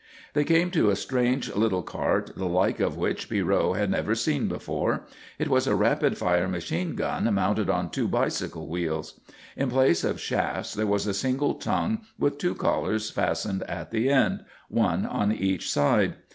They came to a strange little cart the like of which Pierrot had never seen before. It was a rapid fire machine gun mounted on two bicycle wheels. In place of shafts there was a single tongue with two collars fastened at the end, one on each side.